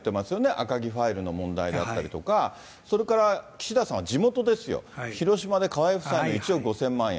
あかぎファイルの問題だったりとか、それから岸田さんは地元ですよ、広島で河井夫妻の１億５０００万円。